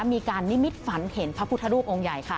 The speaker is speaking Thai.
มีการนิมิตฝันเห็นพระพุทธรูปองค์ใหญ่ค่ะ